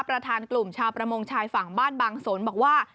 ประธานกลุ่มชาวประมงชายฝั่งบ้านบางสนบอกว่า